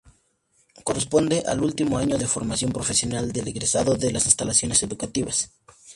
Corresponde al último año de formación profesional del egresado de las instituciones educativas.